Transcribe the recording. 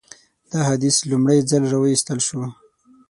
دا حدیث لومړی ځل راوایستل شو.